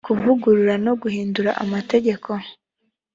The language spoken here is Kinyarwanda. kuvugurura no guhindura amategeko